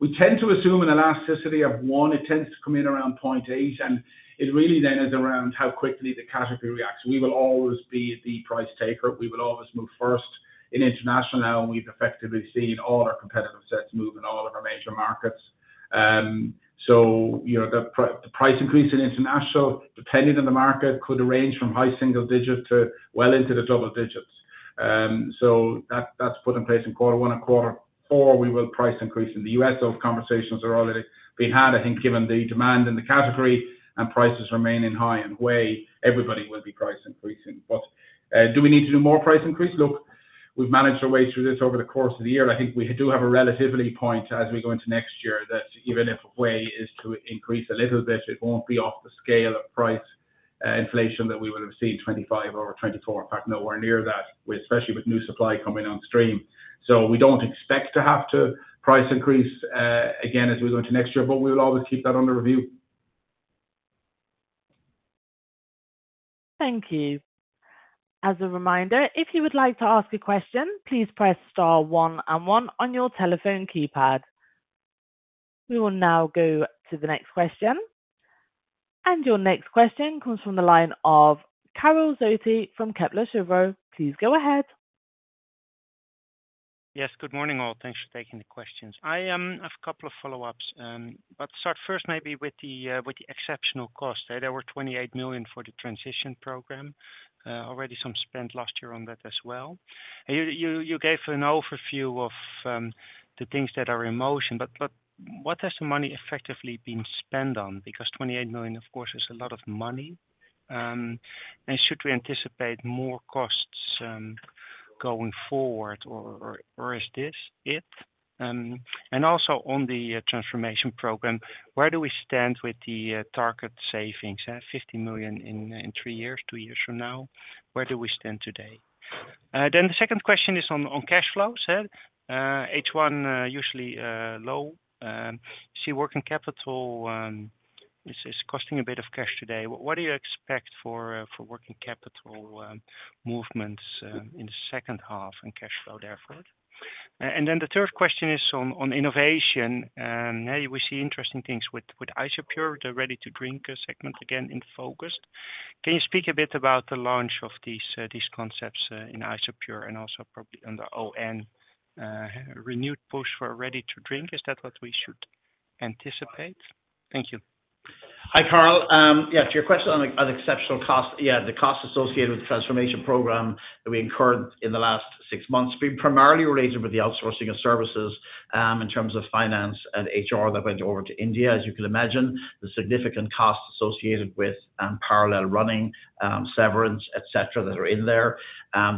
[SPEAKER 3] We tend to assume an elasticity of one. It tends to come in around 0.8, and it really then is around how quickly the category acts. We will always be the price taker. We will always move first in international now, and we've effectively seen all our competitive sets move in all of our major markets. The price increase in international, depending on the market, could range from high single digit to well into the double digits. That's put in place in quarter one and quarter four. We will price increase in the U.S. Those conversations are already being had. I think given the demand in the category and prices remaining high in whey, everybody will be price increasing. Do we need to do more price increase? Look, we've managed our way through this over the course of the year. I think we do have a relatively point as we go into next year that even if whey is to increase a little bit, it won't be off the scale of price inflation that we will have seen in 2025 or 2024. In fact, nowhere near that, especially with new supply coming on stream. We don't expect to have to price increase again as we go into next year, but we will always keep that under review.
[SPEAKER 1] Thank you. As a reminder, if you would like to ask a question, please press star one and one on your telephone keypad. We will now go to the next question. Your next question comes from the line of Karel Zoete from Kepler Cheuvreux. Please go ahead.
[SPEAKER 8] Yes, good morning all. Thanks for taking the questions. I have a couple of follow-ups, but start first maybe with the exceptional cost. There were $28 million for the transition program. Already some spend last year on that as well. You gave an overview of the things that are in motion, but what has the money effectively been spent on? Because $28 million, of course, is a lot of money. Should we anticipate more costs going forward, or is this it? Also on the transformation program, where do we stand with the target savings? $50 million in three years, two years from now. Where do we stand today? The second question is on cash flows. H1 usually low. You see working capital is costing a bit of cash today. What do you expect for working capital movements in the second half and cash flow therefore? The third question is on innovation. We see interesting things with Isopure. The ready-to-drink segment again in focus. Can you speak a bit about the launch of these concepts in Isopure and also probably on the ON renewed push for ready-to-drink? Is that what we should anticipate? Thank you.
[SPEAKER 4] Hi, Carl. Yeah, to your question on the exceptional cost, yeah, the cost associated with the transformation program that we incurred in the last six months has been primarily related with the outsourcing of services in terms of finance and HR that went over to India. As you can imagine, the significant costs associated with parallel running, severance, et cetera, that are in there.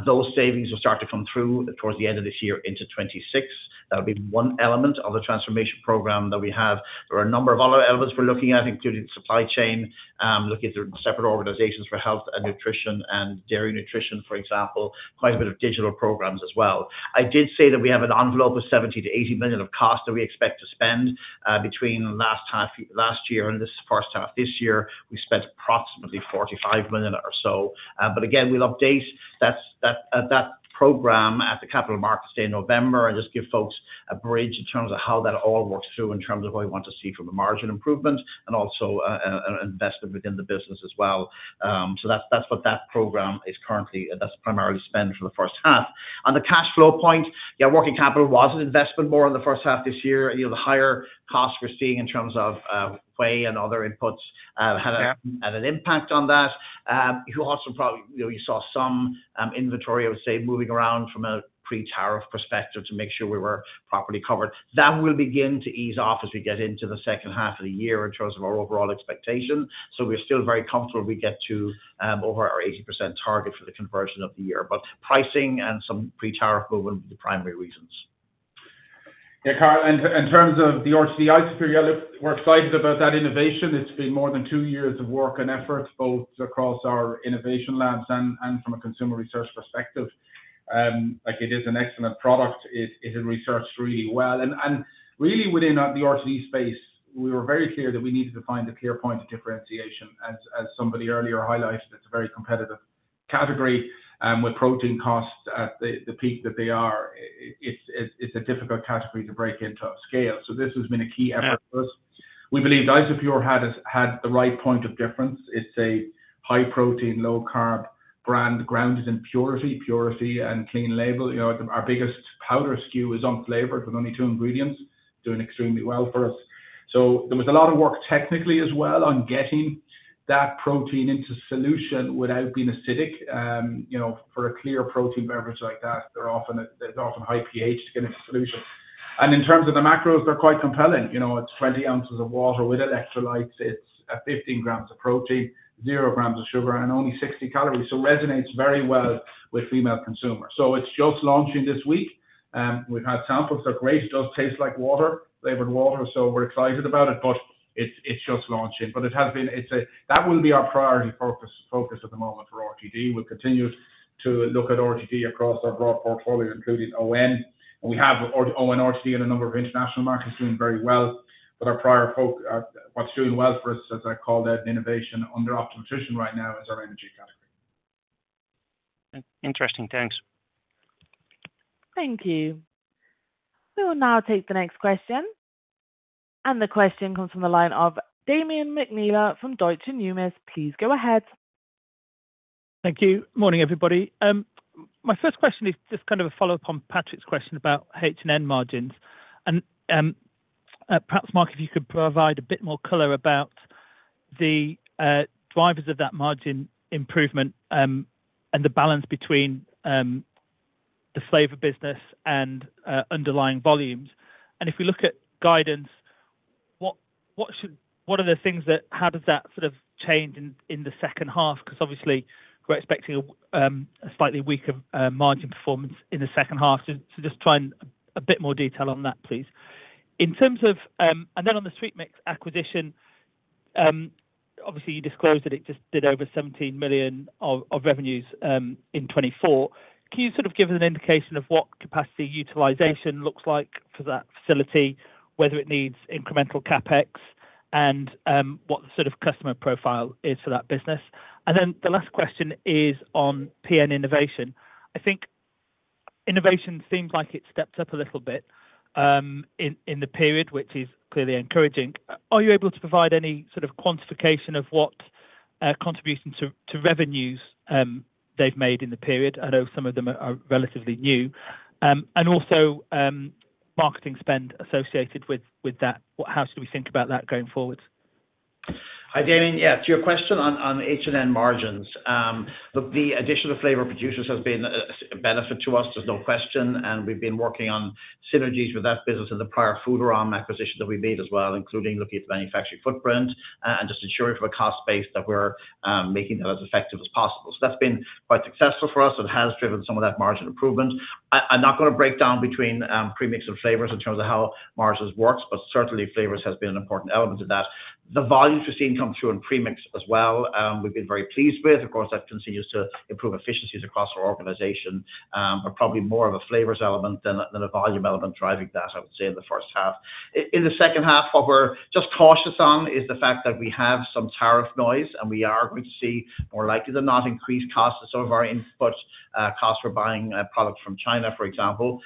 [SPEAKER 4] Those savings will start to come through towards the end of this year into 2026. That'll be one element of the transformation program that we have. There are a number of other elements we're looking at, including supply chain, looking through separate organizations for Health & Nutrition and Dairy Nutrition, for example, quite a bit of digital programs as well. I did say that we have an envelope of $70 million-$80 million of costs that we expect to spend between last half last year and this first half this year. We spent approximately $45 million or so. Again, we'll update that program at the Capital Markets Day in November and just give folks a bridge in terms of how that all works through in terms of what we want to see from a margin improvement and also an investment within the business as well. That's what that program is currently, that's primarily spent for the first half. On the cash flow point, yeah, working capital was an investment more in the first half this year. The higher costs we're seeing in terms of whey and other inputs had an impact on that. You also probably, you know, you saw some inventory, I would say, moving around from a pre-tariff perspective to make sure we were properly covered. That will begin to ease off as we get into the second half of the year in terms of our overall expectation. We're still very comfortable we get to over our 80% target for the conversion of the year. Pricing and some pre-tariff movement will be the primary reasons.
[SPEAKER 3] Yeah, Carl, and in terms of the OTD Isopure, yeah, we're excited about that innovation. It's been more than two years of work and effort, both across our innovation labs and from a consumer research perspective. It is an excellent product. It is researched really well. Really, within the OTD space, we were very clear that we needed to find a clear point of differentiation. As somebody earlier highlighted, it's a very competitive category. With protein costs at the peak that they are, it's a difficult category to break into scale. This has been a key effort for us. We believe Isopure had the right point of difference. It's a high protein, low carb brand grounded in purity, purity and clean label. Our biggest powder SKU is unflavored with only two ingredients, doing extremely well for us. There was a lot of work technically as well on getting that protein into solution without being acidic. You know, for a clear protein beverage like that, they're often high pH to get into solution. In terms of the macros, they're quite compelling. You know, it's 20 ounces of water with electrolytes. It's 15 grams of protein, zero grams of sugar, and only 60 calories. It resonates very well with female consumers. It's just launching this week. We've had samples. They're great. It does taste like water, flavored water, so we're excited about it, but it's just launching. It has been, that will be our priority focus at the moment for OTD. We'll continue to look at OTD across our broad portfolio, including ON. We have ON OTD in a number of international markets doing very well. Our prior what's doing well for us, as I call that, in innovation under Optimum Nutrition right now is our energy category.
[SPEAKER 8] Interesting. Thanks.
[SPEAKER 1] Thank you. We will now take the next question. The question comes from the line of Damian McNeill from Deutsche Bank. Please go ahead.
[SPEAKER 9] Thank you. Morning, everybody. My first question is just kind of a follow-up on Patrick's question about H&N margins. Perhaps, Mark, if you could provide a bit more color about the drivers of that margin improvement and the balance between the flavor business and underlying volumes. If we look at guidance, what are the things that, how does that sort of change in the second half? Obviously, we're expecting a slightly weaker margin performance in the second half. Just try a bit more detail on that, please. In terms of, and then on the SweetMix acquisition, obviously, you disclosed that it just did over $17 million of revenues in 2024. Can you sort of give us an indication of what capacity utilization looks like for that facility, whether it needs incremental CapEx, and what the sort of customer profile is for that business? The last question is on PN innovation. I think innovation seems like it's stepped up a little bit in the period, which is clearly encouraging. Are you able to provide any sort of quantification of what contributes to revenues they've made in the period? I know some of them are relatively new. Also, marketing spend associated with that. How should we think about that going forward?
[SPEAKER 4] Hi, Damian. Yeah, to your question on H&N margins, the addition of Flavor Producers has been a benefit to us. There's no question. We've been working on synergies with that business and the prior food arm acquisition that we made as well, including looking at the manufacturing footprint and just ensuring from a cost base that we're making that as effective as possible. That's been quite successful for us. It has driven some of that margin improvement. I'm not going to break down between premix and flavors in terms of how margins work, but certainly, flavors has been an important element in that. The volumes we've seen come through in premix as well, we've been very pleased with. Of course, that continues to improve efficiencies across our organization, but probably more of a flavors element than a volume element driving that, I would say, in the first half. In the second half, what we're just cautious on is the fact that we have some tariff noise, and we are going to see, more likely than not, increased costs of some of our input costs for buying products from China, for example.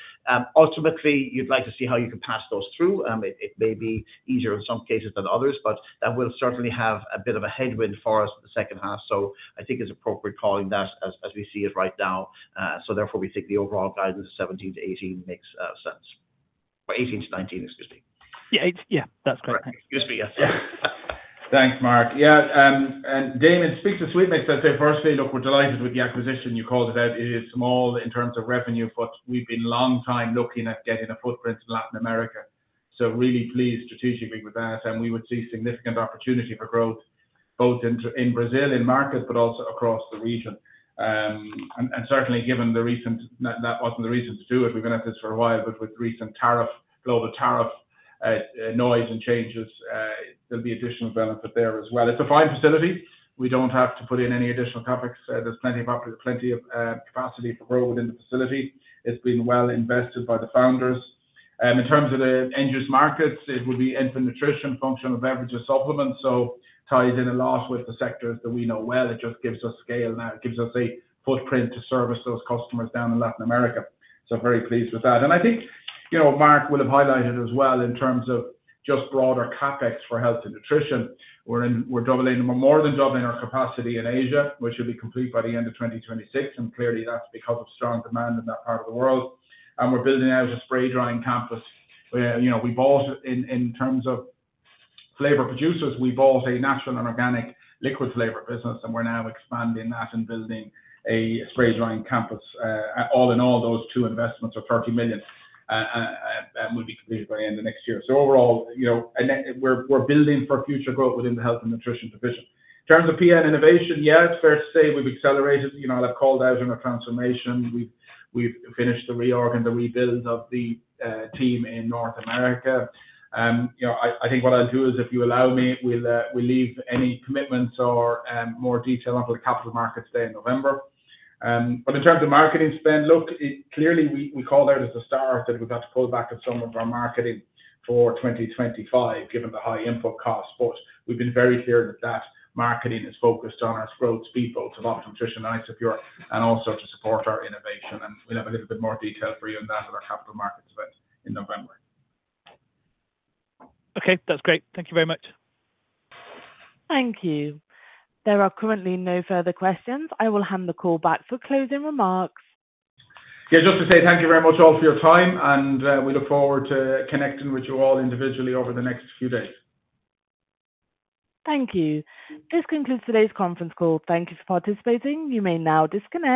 [SPEAKER 4] Ultimately, you'd like to see how you can pass those through. It may be easier in some cases than others, but that will certainly have a bit of a headwind for us in the second half. I think it's appropriate calling that as we see it right now. Therefore, we think the overall guidance is 17-18 makes sense. Or 18-19, excuse me.
[SPEAKER 9] Yeah, yeah, that's correct.
[SPEAKER 4] Excuse me, yes.
[SPEAKER 9] Yeah.
[SPEAKER 3] Thanks, Mark. Yeah, and Damian, speak to SweetMix as they firstly looked for delighted with the acquisition. You called it out. It is small in terms of revenue, but we've been a long time looking at getting a footprint in Latin America. Really pleased strategically with that. We would see significant opportunity for growth both in the Brazilian market, but also across the region. Certainly, given the recent, that wasn't the reason to do it. We've been at this for a while, but with the recent tariff, global tariff noise and changes, there'll be additional benefit there as well. It's a fine facility. We don't have to put in any additional CapEx. There's plenty of capacity to grow within the facility. It's been well invested by the founders. In terms of the end-use markets, it would be infant nutrition, functional beverages, supplements. Ties in a lot with the sector that we know well. It just gives us scale now. It gives us a footprint to service those customers down in Latin America. I'm very pleased with that. I think Mark will have highlighted as well in terms of just broader CapEx for Health & Nutrition. We're doubling or more than doubling our capacity in Asia, which will be complete by the end of 2026. Clearly, that's because of strong demand in that part of the world. We're building out a spray drying campus. We bought, in terms of Flavor Producers, we bought a natural and organic liquid flavor business, and we're now expanding that and building a spray drying campus. All in all, those two investments of $30 million will be completed by the end of next year. Overall, we're building for future growth within the Health & Nutrition division. In terms of PN innovation, yeah, it's fair to say we've accelerated. I'll have called out in our transformation. We've finished the reorg and the rebuild of the team in North America. I think what I'll do is, if you allow me, we'll leave any commitments or more detail up for the Capital Markets Day in November. In terms of marketing spend, look, clearly, we call that as a start that we've got to pull back at some of our marketing for 2025, given the high input costs. We've been very clear that that marketing is focused on our growth speedboats of Optimum Nutrition and Isopure and also to support our innovation. We'll have a little bit more detail for you on that at our Capital Markets Day in November.
[SPEAKER 9] Okay, that's great. Thank you very much.
[SPEAKER 1] Thank you. There are currently no further questions. I will hand the call back for closing remarks.
[SPEAKER 3] Thank you very much all for your time, and we look forward to connecting with you all individually over the next few days.
[SPEAKER 1] Thank you. This concludes today's conference call. Thank you for participating. You may now disconnect.